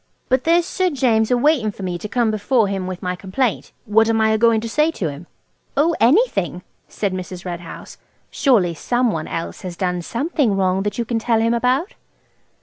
But there's Sir James a waiting for me to come before him with my complaint. What am I a goin' to say to him?" "Oh, anything," said Mrs. Red House; "surely some one else has done something wrong that you can tell him about?"